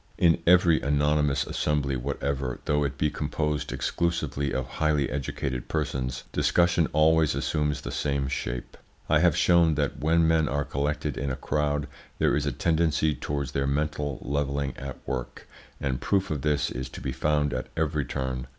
In every anonymous assembly whatever, though it be composed exclusively of highly educated persons, discussion always assumes the same shape. I have shown that when men are collected in a crowd there is a tendency towards their mental levelling at work, and proof of this is to be found at every turn.